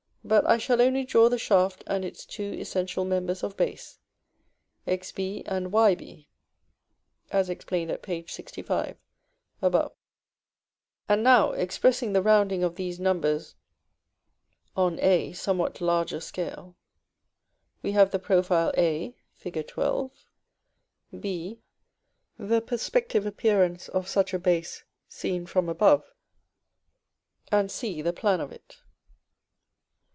but I shall only draw the shaft and its two essential members of base, Xb and Yb, as explained at p. 65, above: and now, expressing the rounding of these numbers on a somewhat larger scale, we have the profile a, Fig. XII.; b, the perspective appearance of such a base seen from above; and c, the plan of it.